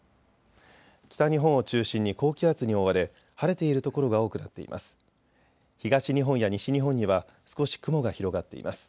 北日本を中心に高気圧に覆われ晴れている所が多くなっています。